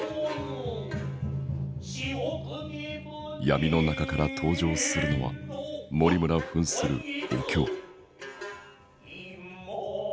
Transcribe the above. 闇の中から登場するのは森村ふんするお京。